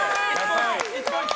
１ポイント。